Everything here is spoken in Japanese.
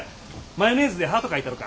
マヨネーズでハート描いたろか？